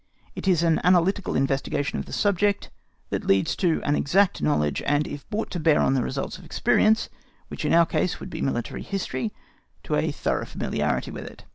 It is an analytical investigation of the subject that leads to an exact knowledge; and if brought to bear on the results of experience, which in our case would be military history, to a thorough familiarity with it.